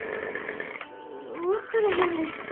分からへんねん。